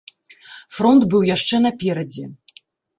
Фронт быў яшчэ наперадзе.